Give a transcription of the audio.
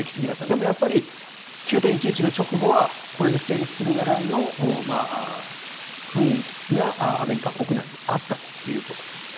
でも９・１１の直後はこれが成立するぐらいの雰囲気がアメリカ国内にあったということです。